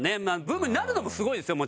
ブームになるのもすごいですよ